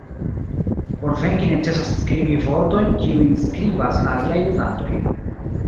Por venki necesas skribi vortojn, kiujn skribas la aliaj ludantoj.